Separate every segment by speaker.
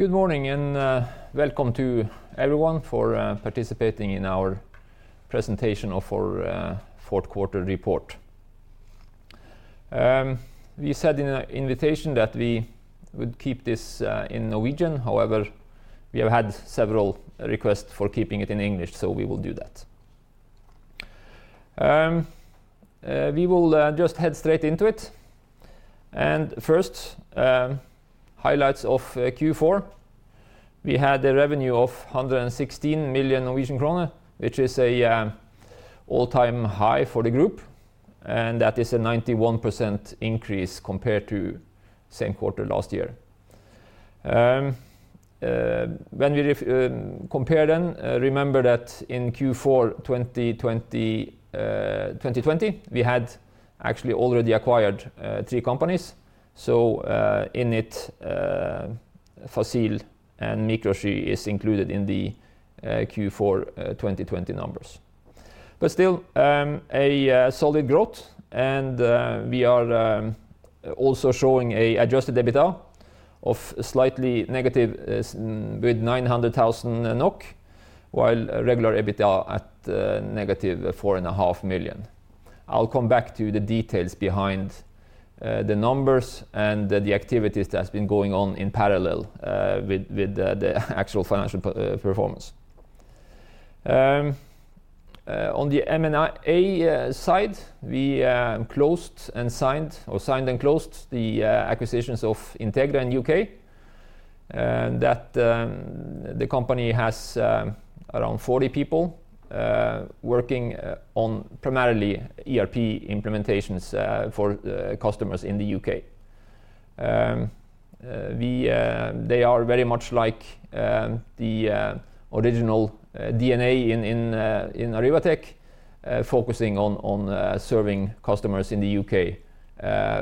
Speaker 1: Good morning and welcome to everyone for participating in our presentation of our fourth quarter report. We said in our invitation that we would keep this in Norwegian. However, we have had several requests for keeping it in English, so we will do that. We will just head straight into it. First, highlights of Q4. We had a revenue of 116 million Norwegian kroner, which is a all-time high for the group, and that is a 91% increase compared to same quarter last year. When we compare then, remember that in Q4 2020, we had actually already acquired three companies. In it, Facil and Microsky is included in the Q4 2020 numbers. Still, solid growth and we are also showing an adjusted EBITDA of slightly negative with 900,000 NOK, while regular EBITDA at -4.5 million. I'll come back to the details behind the numbers and the activities that's been going on in parallel with the actual financial performance. On the M&A side, we closed and signed or signed and closed the acquisitions of Integra in U.K. And that, the company has around 40 people working on primarily ERP implementations for customers in the U.K. They are very much like the original DNA in Arribatec, focusing on serving customers in the U.K.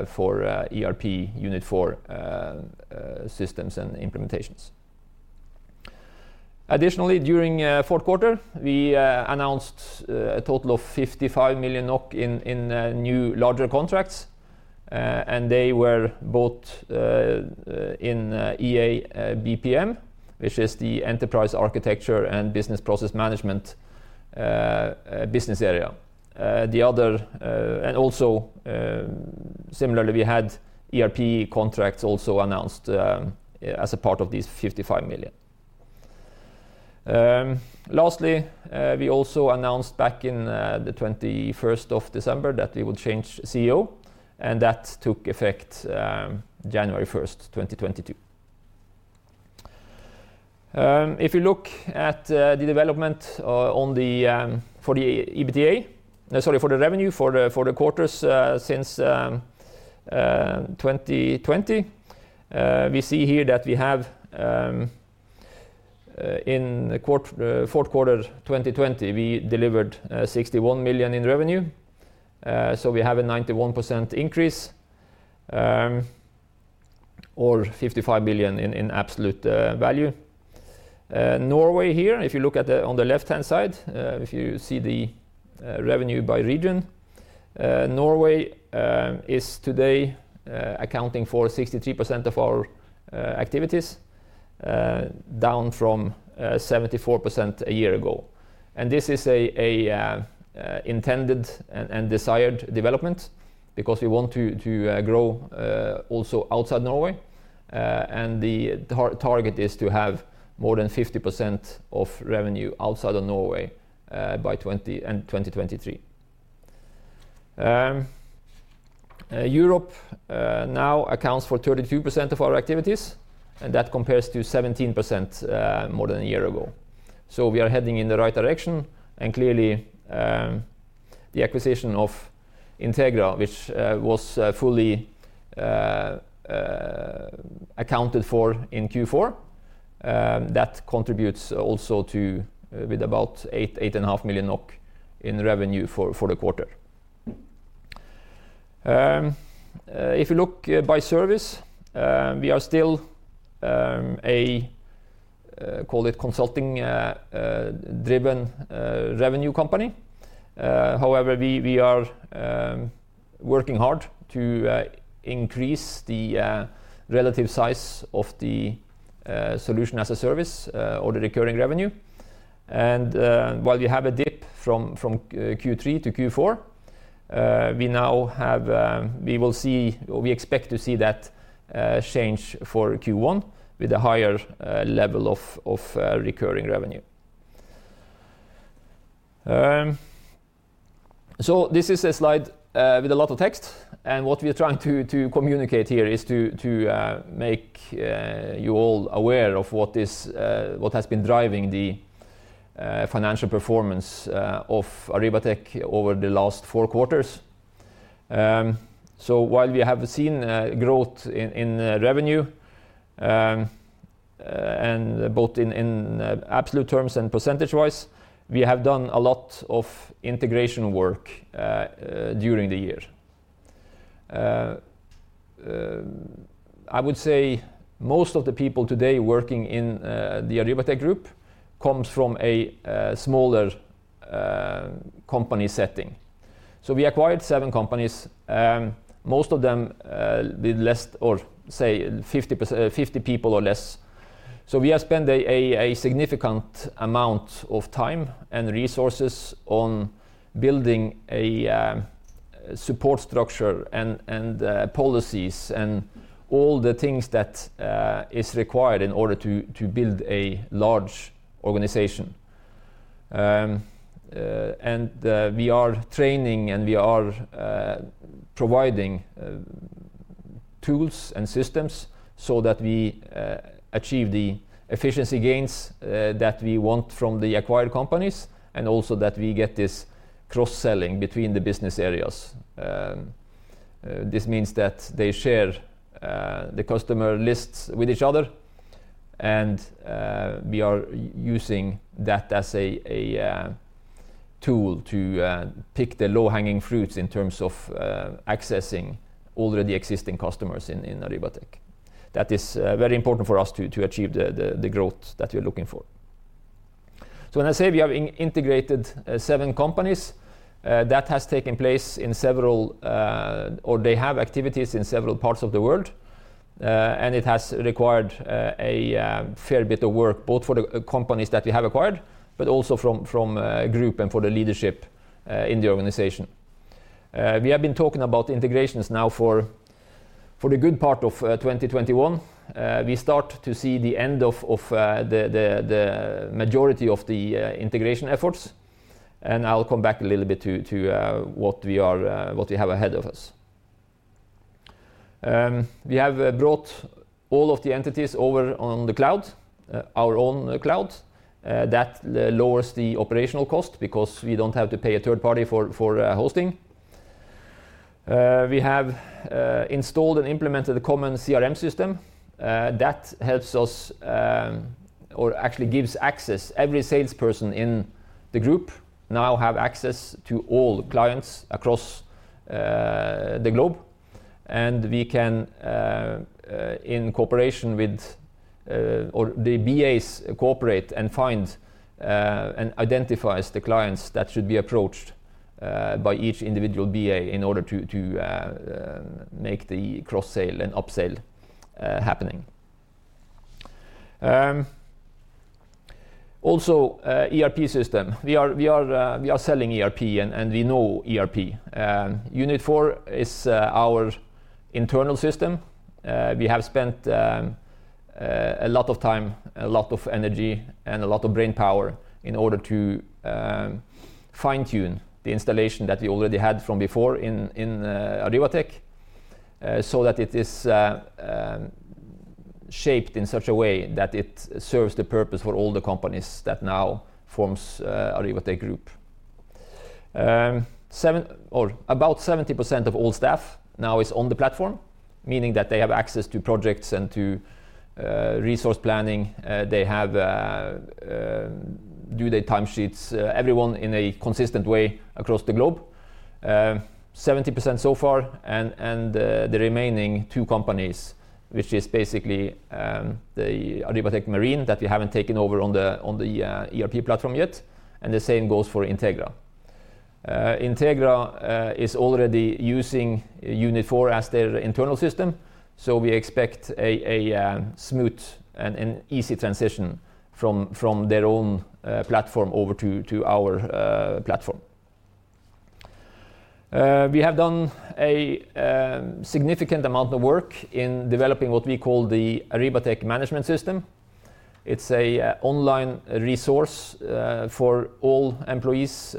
Speaker 1: for ERP Unit4 systems and implementations. Additionally, during fourth quarter, we announced a total of 55 million NOK in new larger contracts, and they were both in EA BPM, which is the enterprise architecture and business process management business area. The other and also, similarly, we had ERP contracts also announced as a part of these 55 million. Lastly, we also announced back in the twenty-first of December that we would change CEO, and that took effect January 1, 2022. If you look at the development for the revenue for the quarters since 2020, we see here that in the fourth quarter 2020 we delivered 61 million in revenue. So we have a 91% increase or 55 million in absolute value. Norway here, if you look on the left-hand side, if you see the revenue by region, Norway is today accounting for 63% of our activities, down from 74% a year ago. This is an intended and desired development because we want to grow also outside Norway. The target is to have more than 50% of revenue outside of Norway by end 2023. Europe now accounts for 32% of our activities, and that compares to 17% more than a year ago. We are heading in the right direction, and clearly, the acquisition of Integra, which was fully accounted for in Q4, that contributes also to with about 8.5 million NOK in revenue for the quarter. If you look by service, we are still a call it consulting driven revenue company. However, we are working hard to increase the relative size of the solution as a service or the recurring revenue. While you have a dip from Q3-Q4, we expect to see that change for Q1 with a higher level of recurring revenue. This is a slide with a lot of text, and what we are trying to communicate here is to make you all aware of what has been driving the financial performance of Arribatec over the last four quarters. While we have seen growth in revenue and both in absolute terms and percentage-wise, we have done a lot of integration work during the year. I would say most of the people today working in the Arribatec Group comes from a smaller company setting. We acquired seven companies, most of them, with less or say 50 people or less. We have spent a significant amount of time and resources on building a support structure and policies and all the things that is required in order to build a large organization. We are training and we are providing tools and systems so that we achieve the efficiency gains that we want from the acquired companies and also that we get this cross-selling between the business areas. This means that they share the customer lists with each other and we are using that as a tool to pick the low-hanging fruits in terms of accessing already existing customers in Arribatec. That is very important for us to achieve the growth that we're looking for. When I say we have integrated seven companies that has taken place in several or they have activities in several parts of the world and it has required a fair bit of work both for the companies that we have acquired, but also from group and for the leadership in the organization. We have been talking about integrations now for the good part of 2021. We start to see the end of the majority of the integration efforts, and I'll come back a little bit to what we have ahead of us. We have brought all of the entities over on the cloud, our own cloud. That lowers the operational cost because we don't have to pay a third party for hosting. We have installed and implemented a common CRM system that helps us, or actually gives access. Every salesperson in the group now have access to all clients across the globe, and we can in cooperation with or the BAs cooperate and find and identifies the clients that should be approached by each individual BA in order to make the cross-sale and up-sale happening. Also, ERP system. We are selling ERP and we know ERP. Unit4 is our internal system. We have spent a lot of time, a lot of energy, and a lot of brainpower in order to fine-tune the installation that we already had from before in Arribatec, so that it is shaped in such a way that it serves the purpose for all the companies that now forms Arribatec Group. Seventy or about 70% of all staff now is on the platform, meaning that they have access to projects and to resource planning, do their time sheets everyone in a consistent way across the globe. 70% so far and the remaining two companies, which is basically the Arribatec Marine that we haven't taken over on the ERP platform yet, and the same goes for Integra. Integra is already using Unit4 as their internal system, so we expect a smooth and easy transition from their own platform over to our platform. We have done a significant amount of work in developing what we call the Arribatec Management System. It's an online resource for all employees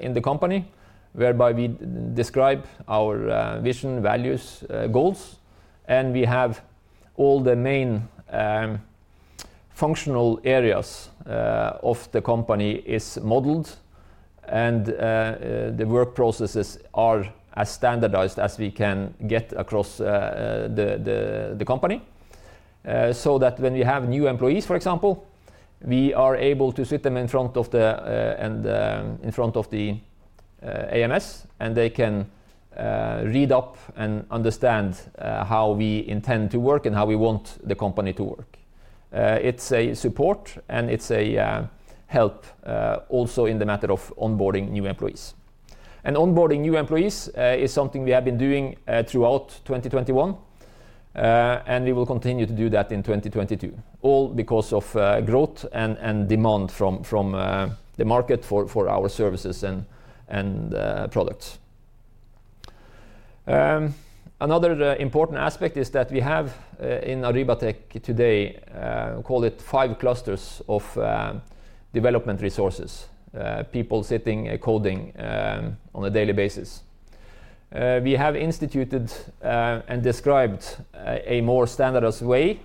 Speaker 1: in the company, whereby we describe our vision, values, goals, and we have all the main functional areas of the company modeled and the work processes are as standardized as we can get across the company. So that when we have new employees, for example, we are able to sit them in front of the AMS, and they can read up and understand how we intend to work and how we want the company to work. It's a support and it's a help also in the matter of onboarding new employees. Onboarding new employees is something we have been doing throughout 2021 and we will continue to do that in 2022, all because of growth and demand from the market for our services and products. Another important aspect is that we have in Arribatec today call it five clusters of development resources, people sitting coding on a daily basis. We have instituted and described a more standardized way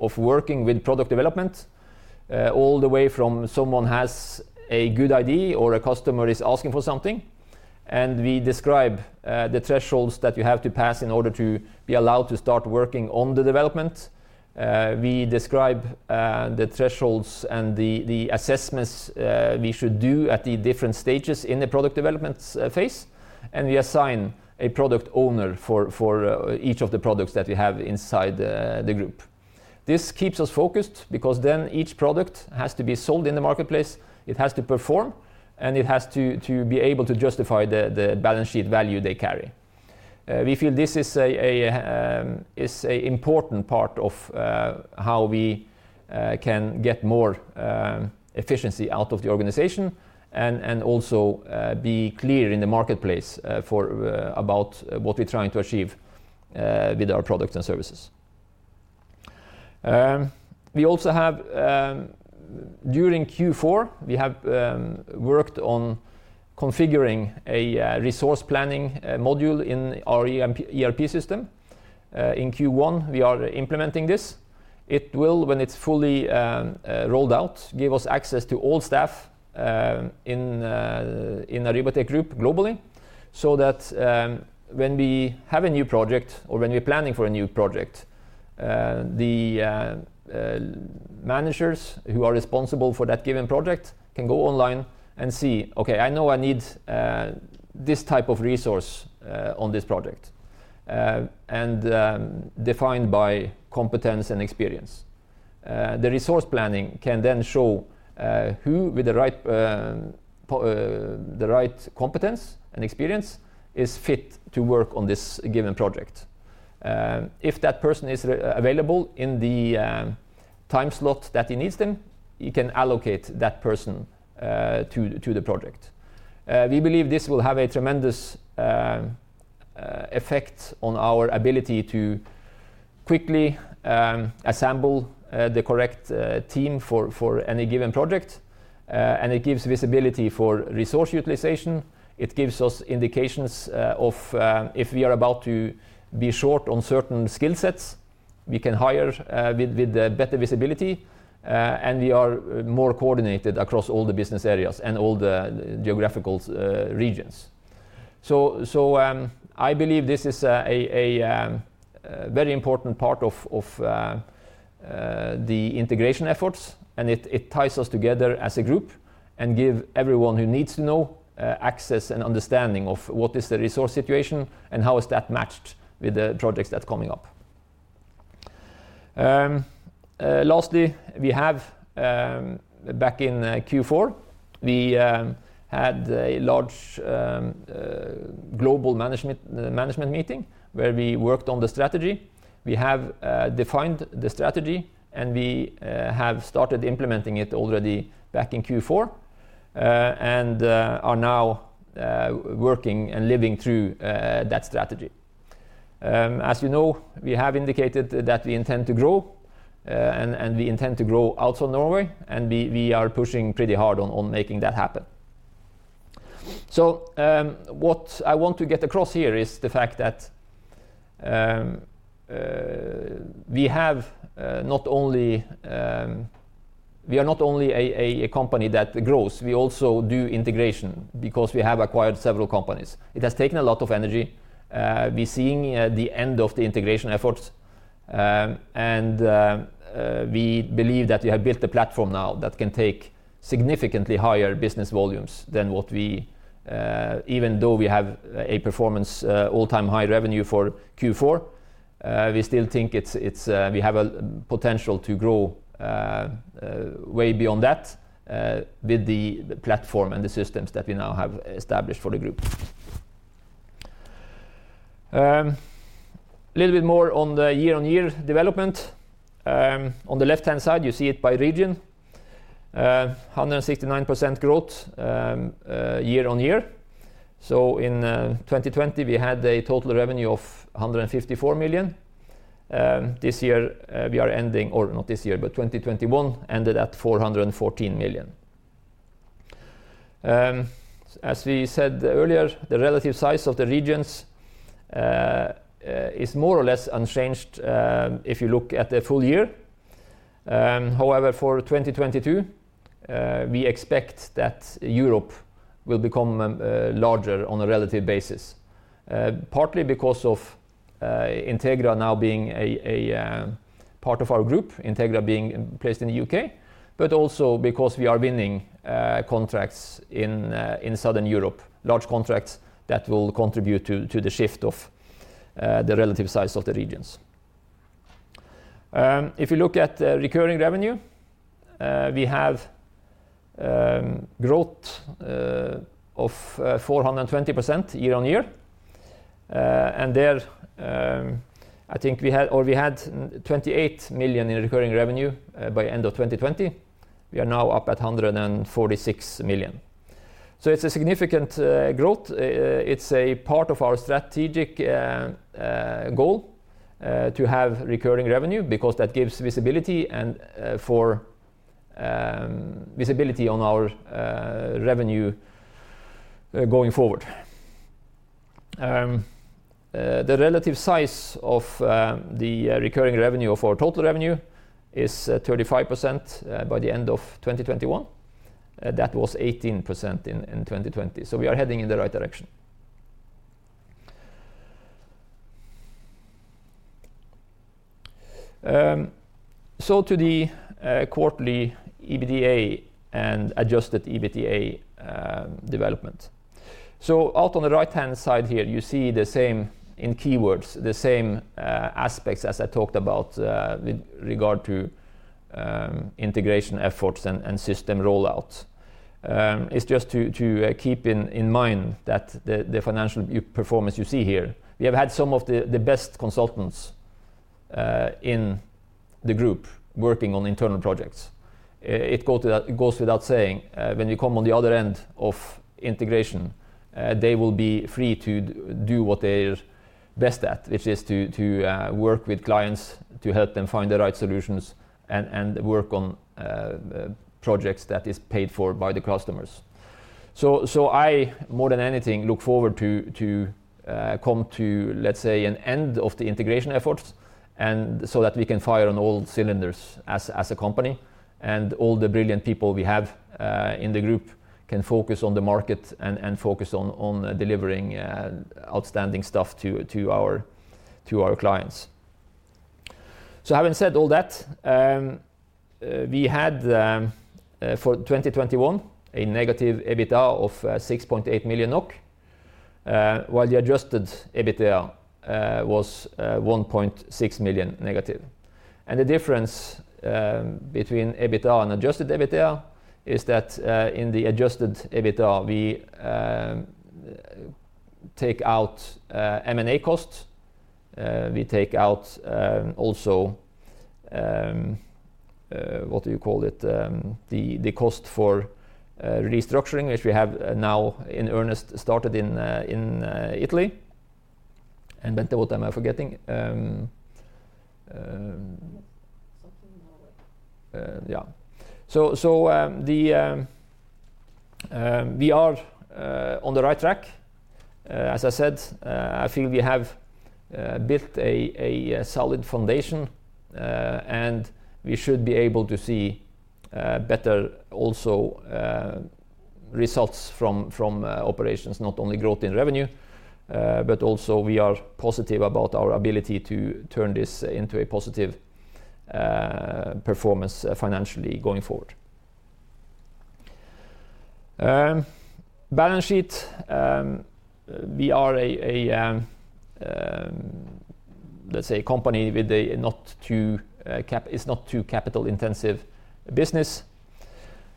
Speaker 1: of working with product development all the way from someone has a good idea or a customer is asking for something, and we describe the thresholds that you have to pass in order to be allowed to start working on the development. We describe the thresholds and the assessments we should do at the different stages in the product development phase, and we assign a product owner for each of the products that we have inside the group. This keeps us focused because then each product has to be sold in the marketplace, it has to perform, and it has to be able to justify the balance sheet value they carry. We feel this is an important part of how we can get more efficiency out of the organization and also be clear in the marketplace about what we're trying to achieve with our products and services. We also have, during Q4, worked on configuring a resource planning module in our ERP system. In Q1, we are implementing this. It will, when it's fully rolled out, give us access to all staff in the Arribatec Group globally, so that when we have a new project or when we're planning for a new project, the managers who are responsible for that given project can go online and see, okay, I know I need this type of resource on this project, and defined by competence and experience. The resource planning can then show who with the right competence and experience is fit to work on this given project. If that person is available in the time slot that he needs them, he can allocate that person to the project. We believe this will have a tremendous effect on our ability to quickly assemble the correct team for any given project, and it gives visibility for resource utilization. It gives us indications of if we are about to be short on certain skill sets, we can hire with the better visibility, and we are more coordinated across all the business areas and all the geographical regions. I believe this is a very important part of the integration efforts, and it ties us together as a group and give everyone who needs to know access and understanding of what is the resource situation and how is that matched with the projects that's coming up. Lastly, back in Q4, we had a large global management meeting where we worked on the strategy. We have defined the strategy, and we have started implementing it already back in Q4, and are now working and living through that strategy. As you know, we have indicated that we intend to grow, and we intend to grow out of Norway, and we are pushing pretty hard on making that happen. What I want to get across here is the fact that we are not only a company that grows, we also do integration because we have acquired several companies. It has taken a lot of energy. We're seeing the end of the integration efforts, and we believe that we have built a platform now that can take significantly higher business volumes than what we even though we have a performance all-time high revenue for Q4, we still think it's we have a potential to grow way beyond that, with the platform and the systems that we now have established for the group. A little bit more on the year-on-year development. On the left-hand side, you see it by region. 169% growth year-on-year. In 2020, we had a total revenue of 154 million. 2021 ended at 414 million. As we said earlier, the relative size of the regions is more or less unchanged, if you look at the full year. However, for 2022, we expect that Europe will become larger on a relative basis, partly because of Integra now being a part of our group, Integra being placed in the U.K., but also because we are winning contracts in Southern Europe, large contracts that will contribute to the shift of the relative size of the regions. If you look at the recurring revenue, we have growth of 420% year-on-year, and there, I think we had 28 million in recurring revenue by end of 2020. We are now up at 146 million. It's a significant growth. It's a part of our strategic goal to have recurring revenue because that gives visibility and for visibility on our revenue going forward. The relative size of the recurring revenue of our total revenue is 35% by the end of 2021. That was 18% in 2020. We are heading in the right direction. To the quarterly EBITDA and adjusted EBITDA development. Out on the right-hand side here, you see the same in keywords, the same aspects as I talked about with regard to integration efforts and system rollout. It is just to keep in mind that the financial performance you see here, we have had some of the best consultants in the group working on internal projects. It goes without saying, when you come on the other end of integration, they will be free to do what they're best at, which is to work with clients to help them find the right solutions and work on projects that is paid for by the customers. I more than anything look forward to come to, let's say, an end of the integration efforts and so that we can fire on all cylinders as a company and all the brilliant people we have in the group can focus on the market and focus on delivering outstanding stuff to our clients. Having said all that, we had for 2021 a negative EBITDA of 6.8 million NOK, while the adjusted EBITDA was 1.6 million negative. The difference between EBITDA and adjusted EBITDA is that in the adjusted EBITDA we take out M&A costs. We take out also what do you call it? The cost for restructuring, which we have now in earnest started in Italy. Bente, what am I forgetting?
Speaker 2: Something in Norway.
Speaker 1: We are on the right track. I think we have built a solid foundation, and we should be able to see better results from operations, not only growth in revenue, but also we are positive about our ability to turn this into a positive performance financially going forward. Balance sheet. We are a company with a not too capital-intensive business.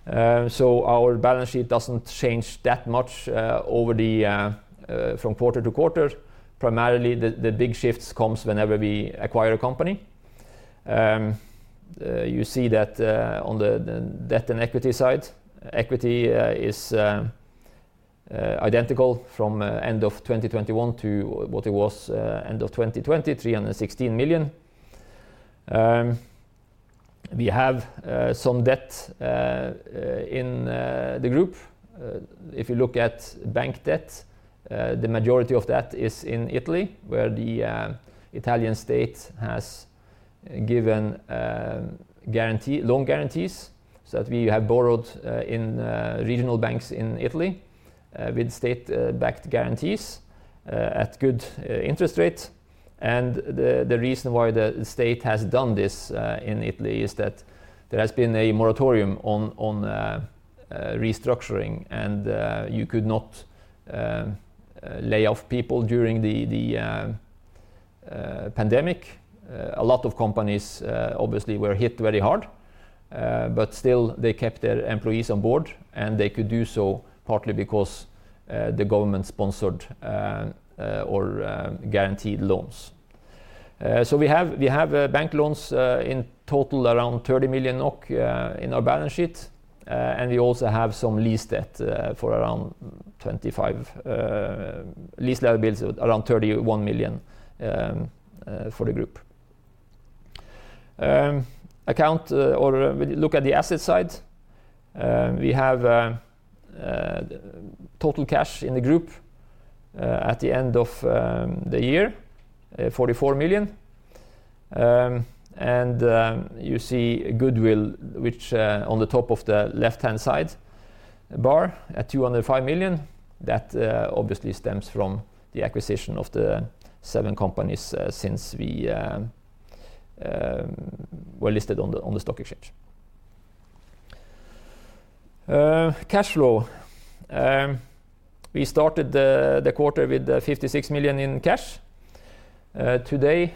Speaker 1: Our balance sheet doesn't change that much over from quarter to quarter. Primarily, the big shifts comes whenever we acquire a company. You see that on the debt and equity side. Equity is identical from end of 2021 to what it was end of 2020, 316 million. We have some debt in the group. If you look at bank debt, the majority of that is in Italy, where the Italian state has given loan guarantees so that we have borrowed in regional banks in Italy, with state backed guarantees at good interest rates. The reason why the state has done this in Italy is that there has been a moratorium on restructuring, and you could not lay off people during the pandemic. A lot of companies obviously were hit very hard, but still they kept their employees on board, and they could do so partly because the government sponsored or guaranteed loans. We have bank loans in total around 30 million NOK in our balance sheet, and we also have some lease liabilities around 31 million for the group. Look at the asset side. We have total cash in the group at the end of the year 44 million. You see goodwill, which, on the top of the left-hand side bar at 205 million, that obviously stems from the acquisition of the seven companies since we were listed on the stock exchange. Cash flow. We started the quarter with 56 million in cash. During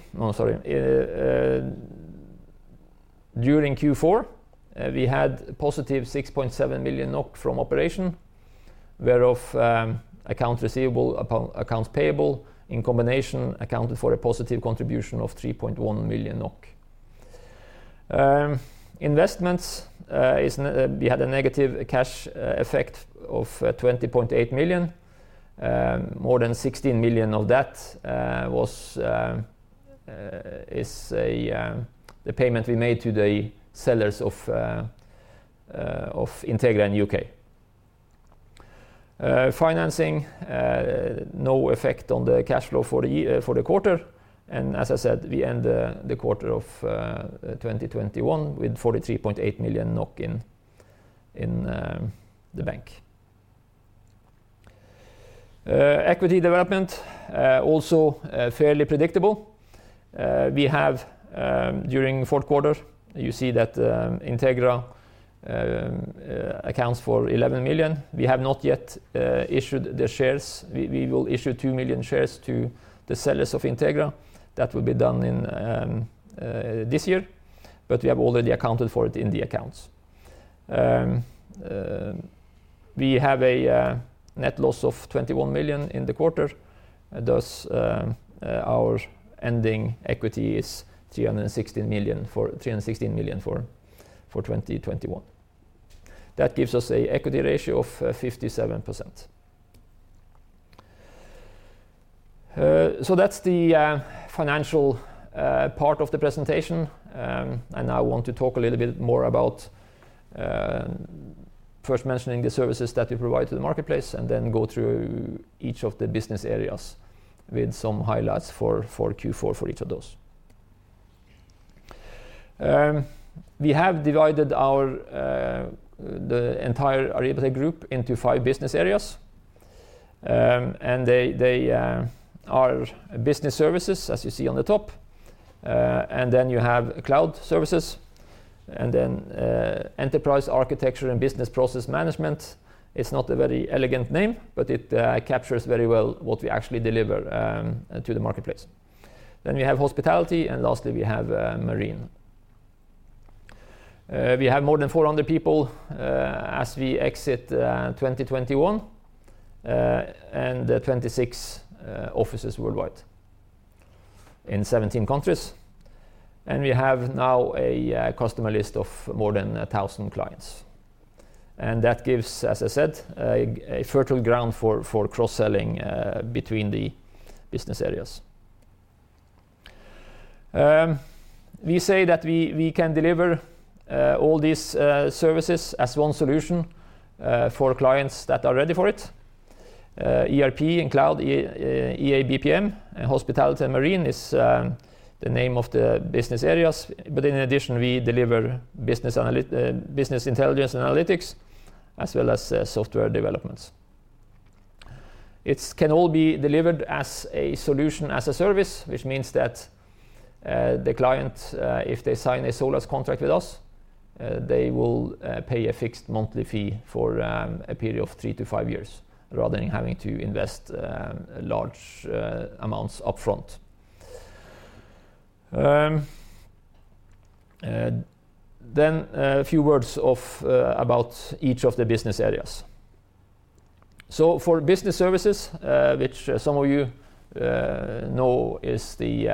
Speaker 1: Q4, we had positive 6.7 million NOK from operation, whereof accounts receivable and accounts payable in combination accounted for a positive contribution of 3.1 million NOK. Investments, we had a negative cash effect of 20.8 million. More than 16 million of that was the payment we made to the sellers of Integra in the U.K. Financing no effect on the cash flow for the year, for the quarter. As I said, we end the quarter of 2021 with 43.8 million NOK in the bank. Equity development also fairly predictable. We have during fourth quarter, you see that, Integra accounts for 11 million. We have not yet issued the shares. We will issue two million shares to the sellers of Integra. That will be done in this year, but we have already accounted for it in the accounts. We have a net loss of 21 million in the quarter. Thus, our ending equity is 316 million for 2021. That gives us an equity ratio of 57%. That's the financial part of the presentation. Now I want to talk a little bit more about first mentioning the services that we provide to the marketplace and then go through each of the business areas with some highlights for Q4 for each of those. We have divided the entire Arribatec Group into 5 business areas. They are Business Services, as you see on the top. You have Cloud Services, and then Enterprise Architecture and Business Process Management. It's not a very elegant name, but it captures very well what we actually deliver to the marketplace. We have Hospitality, and lastly, we have Marine. We have more than 400 people as we exit 2021 and 26 offices worldwide in 17 countries. We have now a customer list of more than 1000 clients. That gives, as I said, a fertile ground for cross-selling between the business areas. We say that we can deliver all these services as one solution for clients that are ready for it. ERP and cloud, EA & BPM, and hospitality and marine is the name of the business areas. In addition, we deliver business intelligence analytics as well as software developments. It can all be delivered as a solution, as a service, which means that the client if they sign a SolaaS contract with us they will pay a fixed monthly fee for a period of three-five years rather than having to invest large amounts upfront. A few words about each of the business areas. For business services, which some of you know is the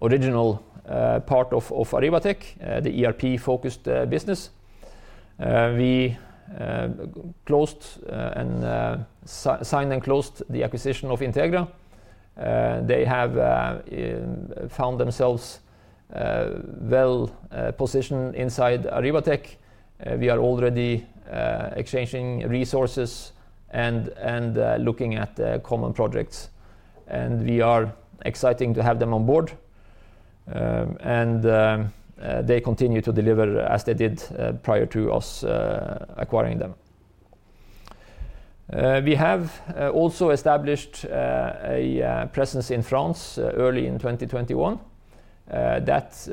Speaker 1: original part of Arribatec, the ERP-focused business, we signed and closed the acquisition of Integra. They have found themselves well positioned inside Arribatec. We are already exchanging resources and looking at common projects. We are excited to have them on board. They continue to deliver as they did prior to us acquiring them. We have also established a presence in France early in 2021. That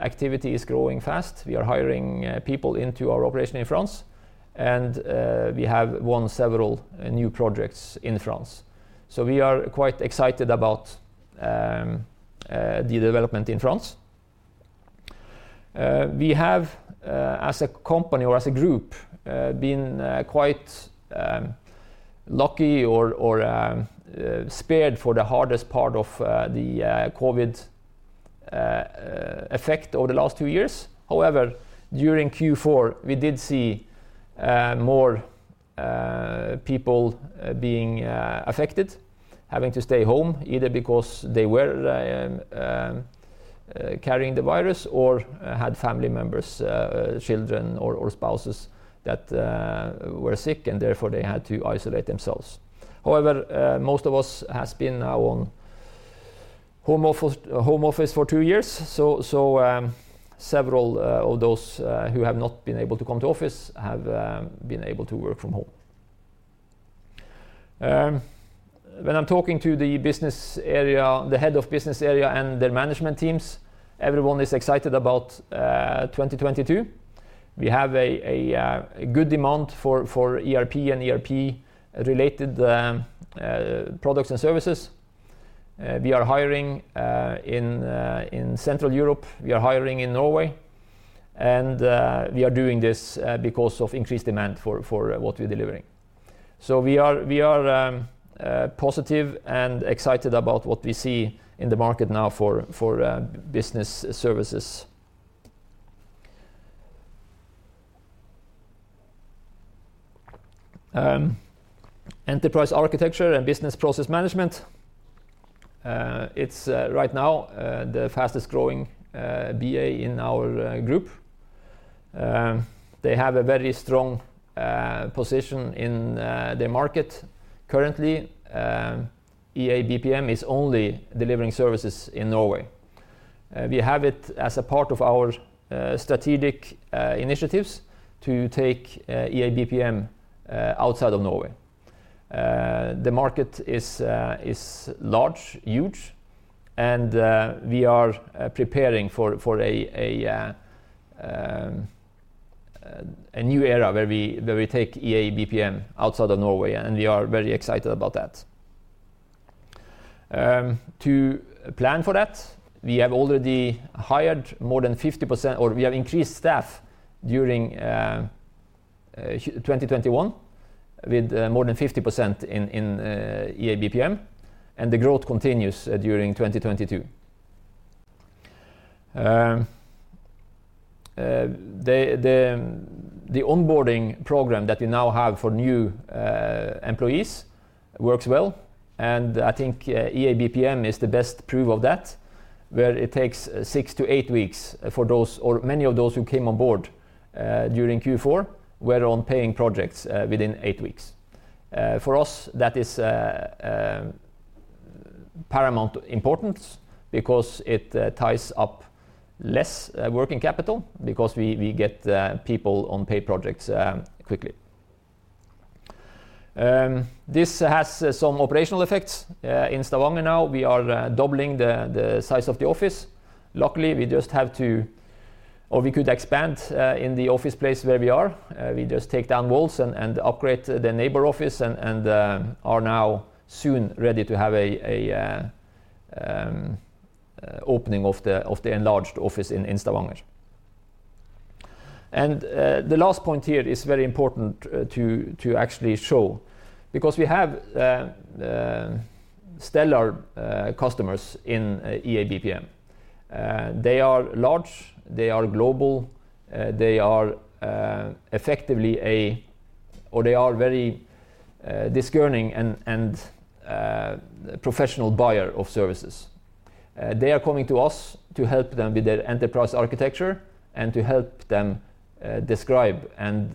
Speaker 1: activity is growing fast. We are hiring people into our operation in France, and we have won several new projects in France. We are quite excited about the development in France. We have, as a company or as a group, been quite lucky or spared from the hardest part of the COVID effect over the last two years. However, during Q4, we did see more people being affected, having to stay home, either because they were carrying the virus or had family members, children or spouses that were sick, and therefore they had to isolate themselves. However, most of us has been now on home office for two years, so several of those who have not been able to come to office have been able to work from home. When I'm talking to the business area, the head of business area and their management teams, everyone is excited about 2022. We have a good demand for ERP and ERP-related products and services. We are hiring in Central Europe. We are hiring in Norway. We are doing this because of increased demand for what we're delivering. We are positive and excited about what we see in the market now for business services. Enterprise Architecture and Business Process Management, it's right now the fastest-growing BA in our group. They have a very strong position in the market currently. EA BPM is only delivering services in Norway. We have it as a part of our strategic initiatives to take EA BPM outside of Norway. The market is large, huge, and we are preparing for a new era where we take EA BPM outside of Norway, and we are very excited about that. To plan for that, we have already hired more than 50%, or we have increased staff during 2021 with more than 50% in EA & BPM, and the growth continues during 2022. The onboarding program that we now have for new employees works well, and I think EA & BPM is the best proof of that, where it takes six-eight weeks for those or many of those who came on board during Q4 were on paying projects within eight weeks. For us, that is paramount importance because it ties up less working capital because we get people on paid projects quickly. This has some operational effects. In Stavanger now, we are doubling the size of the office. Luckily, we could expand in the office place where we are. We just take down walls and upgrade the neighbor office and are now soon ready to have a opening of the enlarged office in Stavanger. The last point here is very important to actually show because we have stellar customers in EA BPM. They are large, they are global, they are very discerning and professional buyer of services. They are coming to us to help them with their enterprise architecture and to help them describe and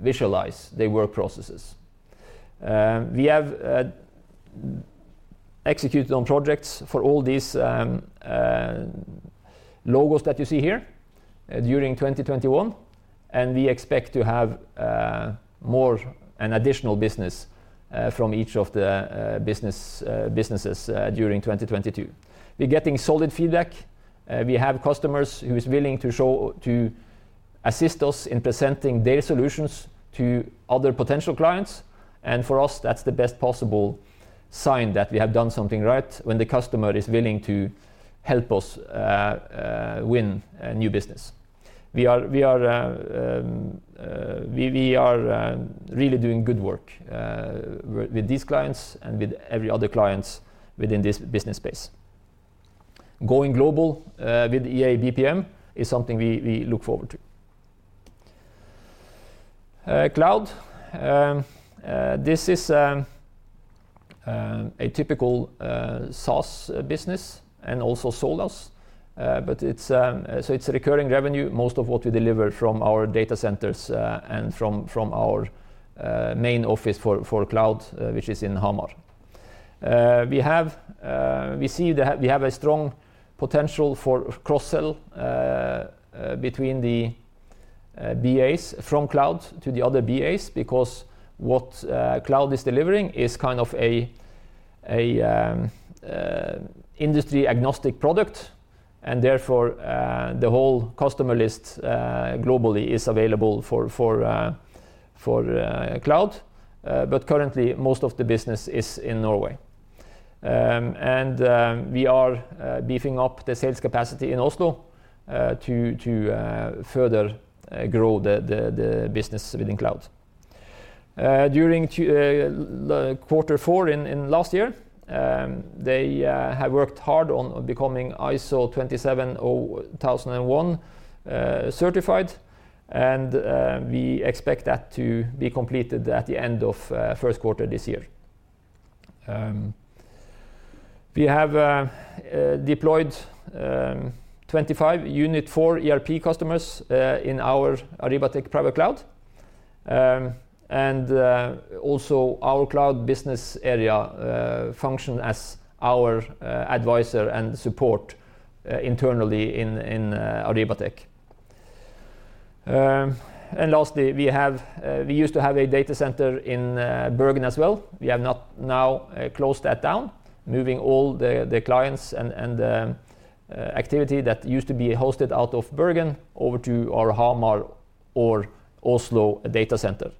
Speaker 1: visualize their work processes. We have executed on projects for all these logos that you see here during 2021, and we expect to have more and additional business from each of the businesses during 2022. We're getting solid feedback. We have customers who is willing to assist us in presenting their solutions to other potential clients. For us, that's the best possible sign that we have done something right when the customer is willing to help us win new business. We are really doing good work with these clients and with every other clients within this business space. Going global with EA & BPM is something we look forward to. Cloud, this is a typical SaaS business and also SolaaS. It's a recurring revenue, most of what we deliver from our data centers and from our main office for Cloud, which is in Hamar. We have a strong potential for cross-sell between the BAs from Cloud to the other BAs because what Cloud is delivering is kind of an industry-agnostic product. Therefore, the whole customer list globally is available for Cloud. Currently, most of the business is in Norway. We are beefing up the sales capacity in Oslo to further grow the business within Cloud. During quarter four in last year, they have worked hard on becoming ISO 27001 certified, and we expect that to be completed at the end of first quarter this year. We have deployed 25 Unit4 ERP customers in our Arribatec private cloud. Also our cloud business area function as our advisor and support internally in Arribatec. Lastly, we used to have a data center in Bergen as well. We have now closed that down, moving all the clients and activity that used to be hosted out of Bergen over to our Hamar or Oslo data center.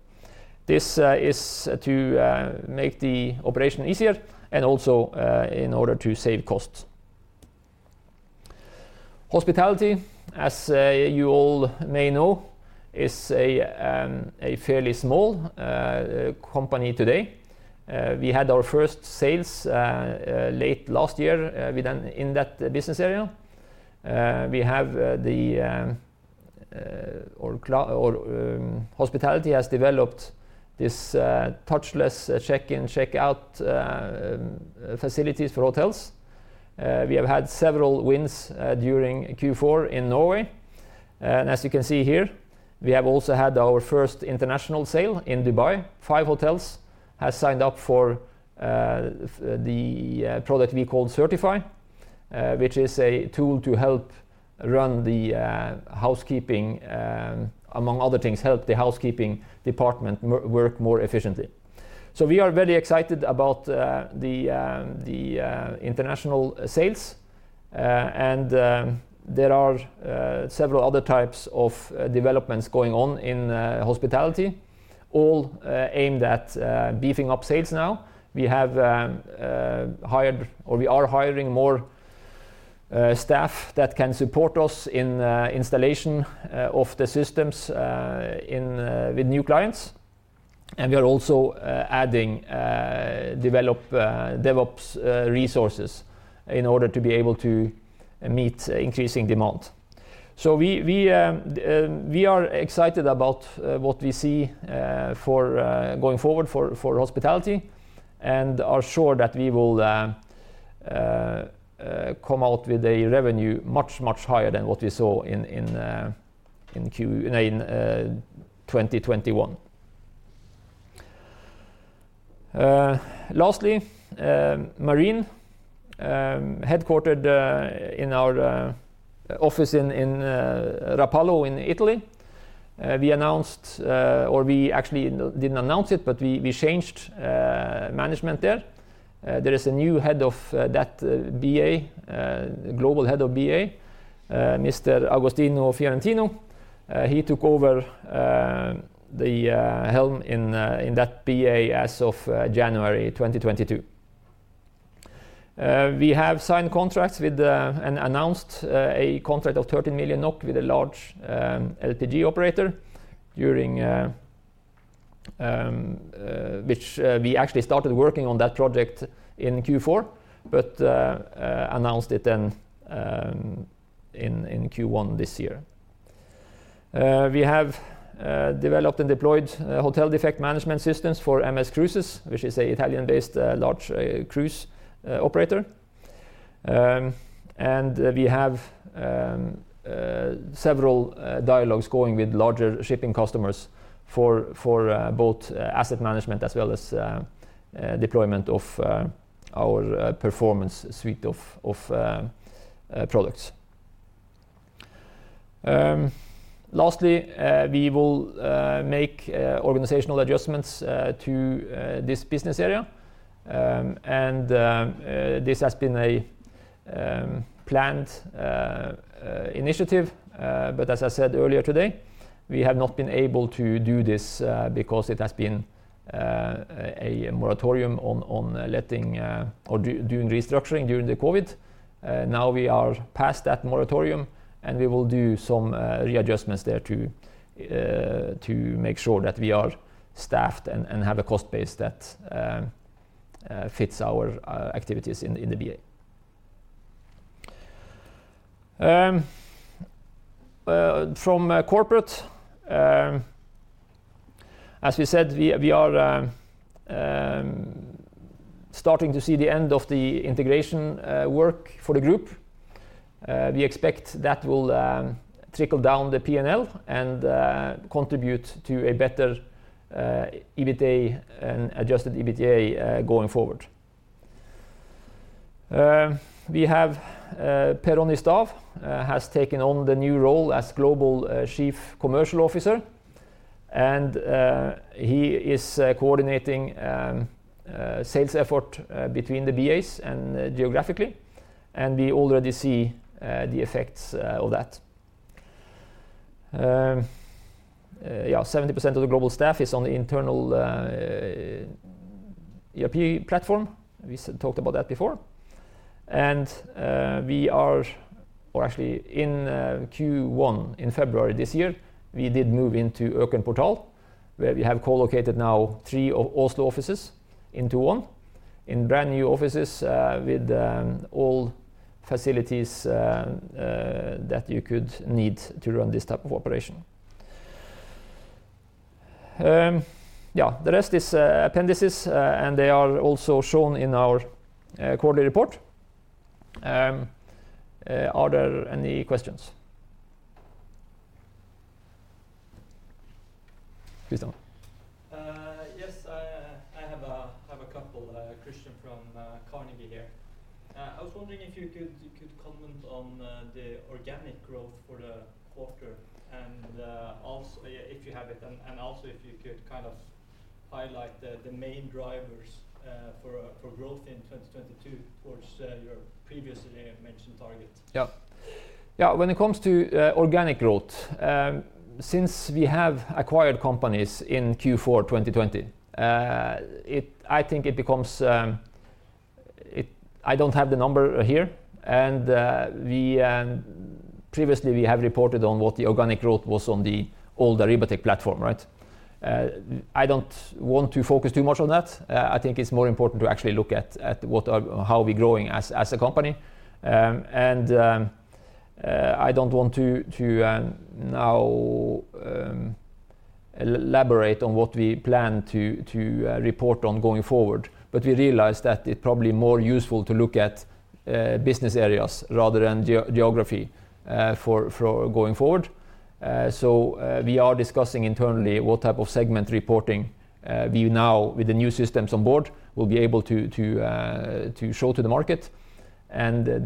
Speaker 1: This is to make the operation easier and also in order to save costs. Hospitality, as you all may know, is a fairly small company today. We had our first sales late last year in that business area. Hospitality has developed this touchless check-in check-out facilities for hotels. We have had several wins during Q4 in Norway. As you can see here, we have also had our first international sale in Dubai. Five hotels has signed up for the product we call Certify, which is a tool to help run the housekeeping, among other things, help the housekeeping department work more efficiently. We are very excited about the international sales. There are several other types of developments going on in hospitality, all aimed at beefing up sales now. We have hired or we are hiring more staff that can support us in installation of the systems in with new clients. We are also adding DevOps resources in order to be able to meet increasing demand. We are excited about what we see going forward for hospitality and are sure that we will come out with a revenue much higher than what we saw in 2021. Lastly, Marine, headquartered in our office in Rapallo in Italy. We announced, or we actually didn't announce it, but we changed management there. There is a new head of that BA, global head of BA, Mr. Agostino Fiorentino. He took over the helm in that BA as of January 2022. We have signed contracts with and announced a contract of 13 million NOK with a large LPG operator during which we actually started working on that project in Q4 but announced it then in Q1 this year. We have developed and deployed hotel defect management systems for MSC Cruises, which is an Italian-based large cruise operator. We have several dialogues going with larger shipping customers for both asset management as well as deployment of our performance suite of products. Lastly, we will make organizational adjustments to this business area. This has been a planned initiative, but as I said earlier today, we have not been able to do this because it has been a moratorium on letting or doing restructuring during the COVID. Now we are past that moratorium, and we will do some readjustments there to make sure that we are staffed and have a cost base that fits our activities in the BA. From corporate, as we said, we are starting to see the end of the integration work for the group. We expect that will trickle down the P&L and contribute to a better EBITDA and adjusted EBITDA going forward. We have Per Ronny Stav has taken on the new role as Global Chief Commercial Officer, and he is coordinating sales effort between the BAs and geographically, and we already see the effects of that. Yeah, 70% of the global staff is on the internal ERP platform. We talked about that before. Actually in Q1, in February this year, we did move into Økern Portal, where we have co-located now three of Oslo offices into one, in brand-new offices, with all facilities that you could need to run this type of operation. The rest is appendices, and they are also shown in our quarterly report. Are there any questions? Please, Dan.
Speaker 3: Yes, I have a couple. Christian from Carnegie here. I was wondering if you could comment on the organic growth for the quarter and also if you have it, and also if you could kind of highlight the main drivers for growth in 2022 towards your previously mentioned targets.
Speaker 1: Yeah. Yeah, when it comes to organic growth, since we have acquired companies in Q4 2020, I think it becomes. I don't have the number here. We previously have reported on what the organic growth was on the older Arribatec platform, right? I don't want to focus too much on that. I think it's more important to actually look at how we're growing as a company. I don't want to now elaborate on what we plan to report on going forward. We realize that it probably more useful to look at business areas rather than geography for going forward. We are discussing internally what type of segment reporting we now with the new systems on board will be able to show to the market. I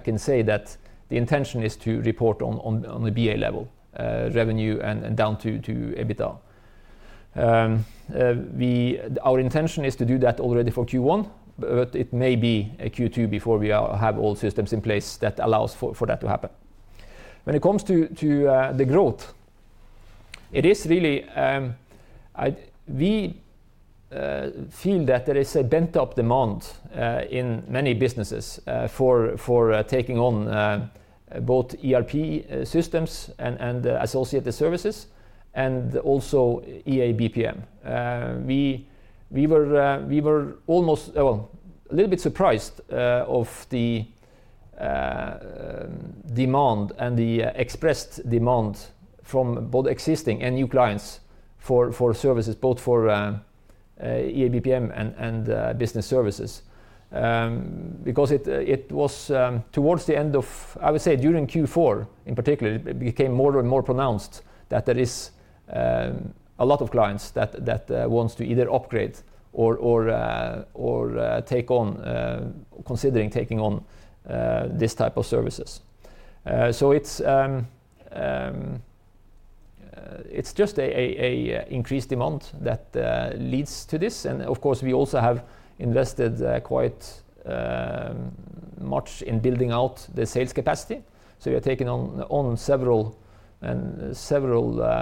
Speaker 1: can say that the intention is to report on the BA level revenue and down to EBITDA. Our intention is to do that already for Q1, but it may be Q2 before we have all systems in place that allows for that to happen. When it comes to the growth, it is really we feel that there is a pent-up demand in many businesses for taking on both ERP systems and associated services and also EA BPM. We were almost well a little bit surprised of the demand and the expressed demand from both existing and new clients for services both for EA BPM and business services. Because it was towards the end of I would say during Q4 in particular, it became more and more pronounced that there is a lot of clients that wants to either upgrade or take on considering taking on this type of services. It's just a increased demand that leads to this. Of course, we also have invested quite much in building out the sales capacity. We are taking on several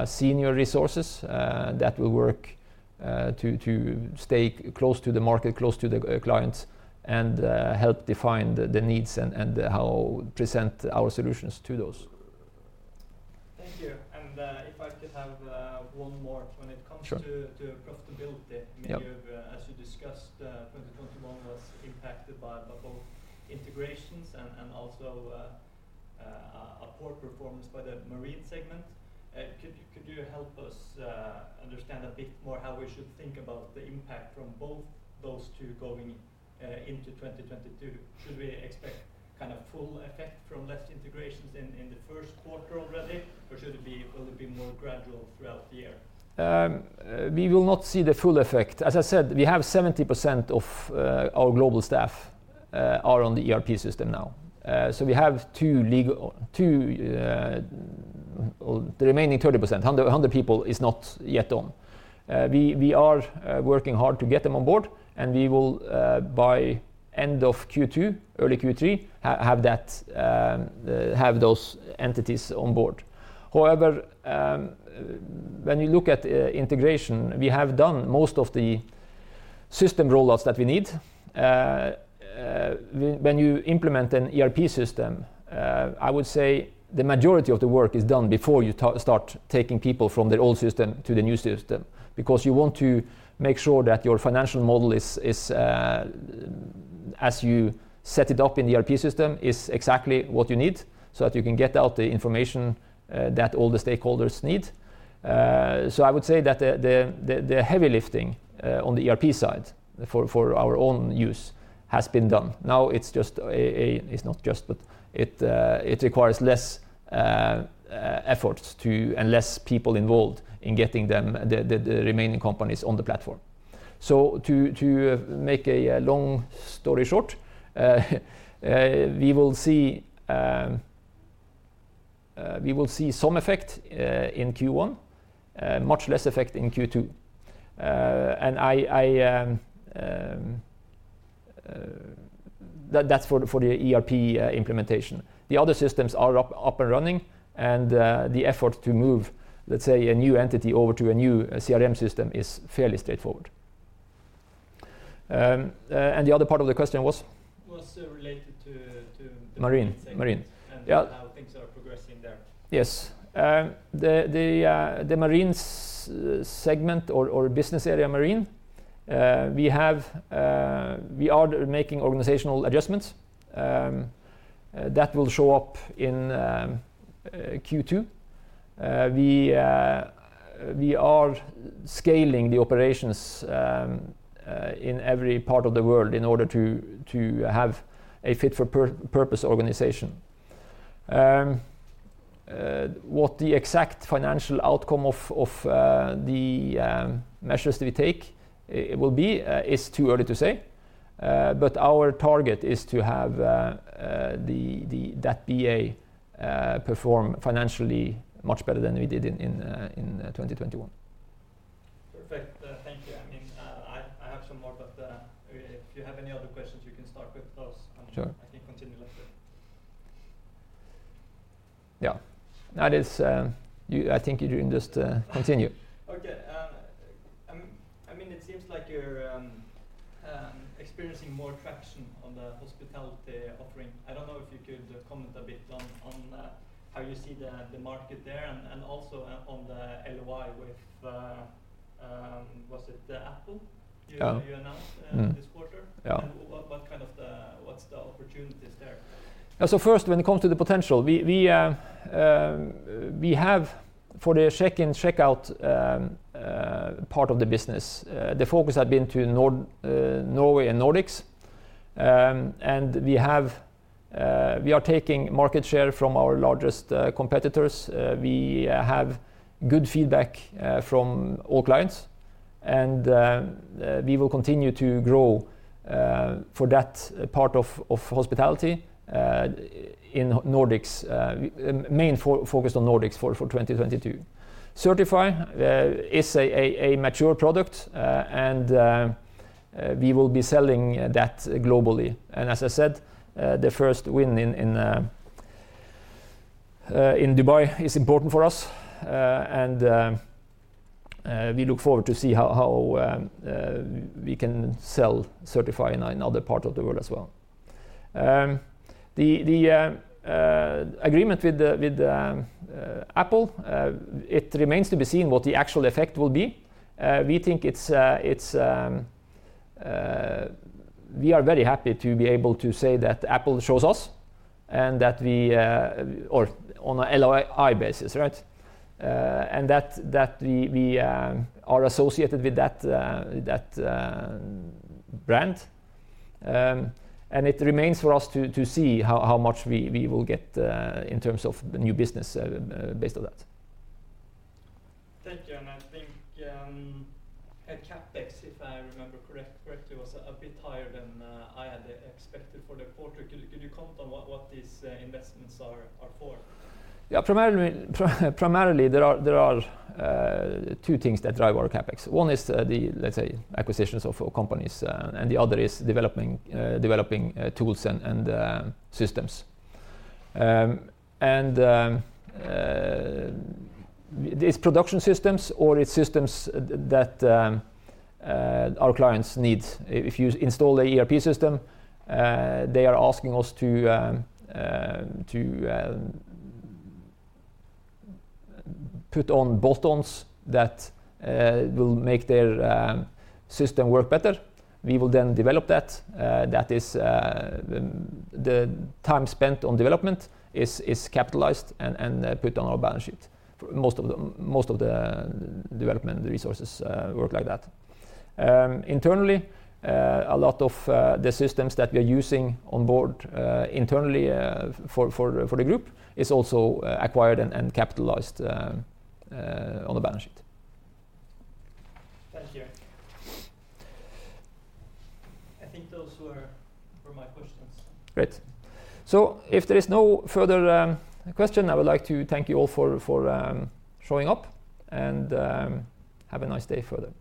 Speaker 1: senior resources that will work to stay close to the market, close to the clients, and help define the needs and how to present our solutions to those.
Speaker 3: Thank you. If I could have one more when it comes to-
Speaker 1: Sure.
Speaker 3: to profitability.
Speaker 1: Yep.
Speaker 3: I mean, you've, as you discussed, 2021 was impacted by both integrations and also a poor performance by the marine segment. Could you help us understand a bit more how we should think about the impact from both those two going into 2022? Should we expect kind of full effect from less integrations in the first quarter already? Or will it be more gradual throughout the year?
Speaker 1: We will not see the full effect. As I said, we have 70% of our global staff are on the ERP system now. So we have, too, the remaining 30%, 100 people is not yet on. We are working hard to get them on board, and we will by end of Q2, early Q3, have those entities on board. However, when you look at integration, we have done most of the system rollouts that we need. When you implement an ERP system, I would say the majority of the work is done before you start taking people from the old system to the new system, because you want to make sure that your financial model is as you set it up in the ERP system is exactly what you need so that you can get out the information that all the stakeholders need. I would say that the heavy lifting on the ERP side for our own use has been done. Now, it's not just, but it requires less efforts to and less people involved in getting them, the remaining companies on the platform. To make a long story short, we will see some effect in Q1, much less effect in Q2. That's for the ERP implementation. The other systems are up and running, and the effort to move, let's say, a new entity over to a new CRM system is fairly straightforward. The other part of the question was?
Speaker 3: Was related to the Marine segment.
Speaker 1: Marine. Yeah.
Speaker 3: how things are progressing there.
Speaker 1: Yes. The marine segment or business area marine, we are making organizational adjustments that will show up in Q2. We are scaling the operations in every part of the world in order to have a fit for purpose organization. What the exact financial outcome of the measures that we take will be is too early to say. Our target is to have that BA perform financially much better than we did in 2021.
Speaker 3: Perfect. Thank you. I mean, I have some more, but if you have any other questions, you can start with those.
Speaker 1: Sure.
Speaker 3: I can continue later.
Speaker 1: Yeah. That is, I think you can just continue.
Speaker 3: Okay. I mean it seems like you're experiencing more traction on the hospitality offering. I don't know if you could comment a bit on how you see the market there and also on the LOI with, was it Apple you-
Speaker 1: Uh.
Speaker 3: Did you announce this quarter?
Speaker 1: Yeah.
Speaker 3: What's the opportunities there?
Speaker 1: First, when it comes to the potential, we have for the check-in, check-out part of the business, the focus had been to Norway and Nordics. We are taking market share from our largest competitors. We have good feedback from all clients and we will continue to grow for that part of hospitality in Nordics, main focus on Nordics for 2022. Certify is a mature product and we will be selling that globally. As I said, the first win in Dubai is important for us and we look forward to see how we can sell Certify in other parts of the world as well. The agreement with Apple, it remains to be seen what the actual effect will be. We are very happy to be able to say that Apple chose us and that we or on an LOI basis, right? We are associated with that brand. It remains for us to see how much we will get in terms of the new business based on that.
Speaker 3: Thank you. I think, at CapEx, if I remember correctly, it was a bit higher than I had expected for the quarter. Could you comment on what these investments are for?
Speaker 1: Yeah. Primarily, there are two things that drive our CapEx. One is the, let's say, acquisitions of companies, and the other is developing tools and systems. It's production systems or it's systems that our clients need. If you install the ERP system, they are asking us to put on buttons that will make their system work better. We will then develop that. That is, the time spent on development is capitalized and put on our balance sheet. Most of the development resources work like that. Internally, a lot of the systems that we are using on board, internally, for the group is also acquired and capitalized on the balance sheet.
Speaker 3: Thank you. I think those were my questions.
Speaker 1: Great. If there is no further question, I would like to thank you all for showing up and have a nice day further.